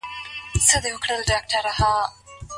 که د عامه ملکیتونو ساتنه وسي، نو د دولت پانګه نه ضایع کیږي.